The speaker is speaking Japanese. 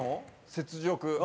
雪辱。